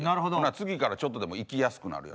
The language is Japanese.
次からちょっとでも行きやすくなるやろ。